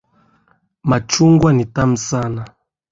Machungwa ni tamu sana.